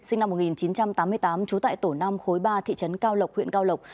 sinh năm một nghìn chín trăm tám mươi tám trú tại tổ năm khối ba thị trấn cao lộc huyện cao lộc